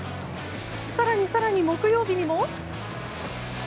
更に更に木曜日にも。